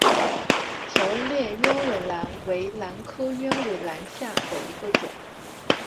条裂鸢尾兰为兰科鸢尾兰属下的一个种。